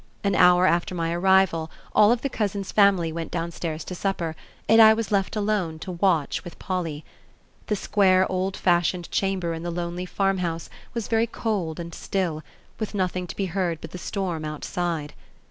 An hour after my arrival all of the cousin's family went downstairs to supper, and I was left alone to watch with Polly. The square, old fashioned chamber in the lonely farmhouse was very cold and still, with nothing to be heard but the storm outside.